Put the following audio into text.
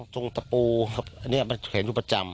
ตรงสะปูและนี่เนี่ยมันแขวนอยู่ประจำ